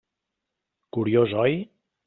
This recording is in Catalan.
Curiós, oi?